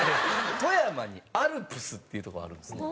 富山にアルプスっていうとこあるんですね。